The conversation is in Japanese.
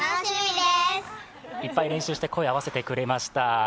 いっぱい練習して声を合わせてくれました。